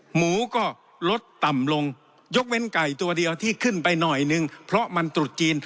หมูก็ลดต่ำลงยกเว้นไก่ตัวเดียวที่ขึ้นไปหน่อยนึงเพราะมันตรุษจีน